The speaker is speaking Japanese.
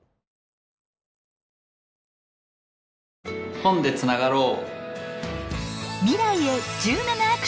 本でつながろう！